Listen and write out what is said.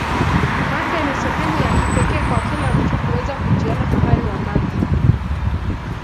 mafia ni sehemu ya kipekee kwa kila mtu kuweza kujionea fahari wa mafia